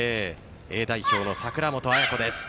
Ａ代表の櫻本絢子です。